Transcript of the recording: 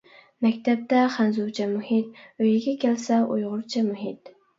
مەكتەپتە خەنزۇچە مۇھىت, ئۆيىگە كەلسە ئۇيغۇرچە مۇھىت.